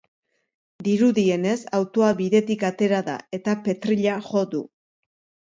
Dirudienez, autoa bidetik atera da eta petrila jo du.